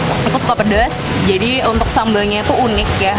aku suka pedas jadi untuk sambalnya itu unik ya